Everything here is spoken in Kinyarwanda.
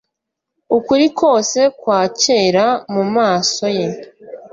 Ukuri kwose kwakera mumaso ye